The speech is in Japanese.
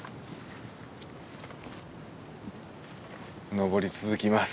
登り続きます。